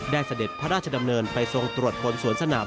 เสด็จพระราชดำเนินไปทรงตรวจบนสวนสนาม